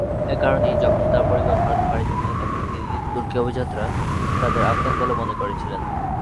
এ কারণেই, যখন তাঁর পরিবার ভারতে পাড়ি জমায়, তখন দিল্লির তুর্কি অভিজাতরা তাঁদের আফগান বলে মনে করেছিলেন।